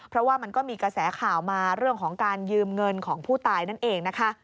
เพราะว่ามันก็มีกระแสข่าวมาเรื่องของการยืมเงินของผู้ตายนั่นเองนะคะ